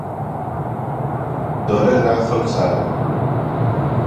مدار رأس السرطان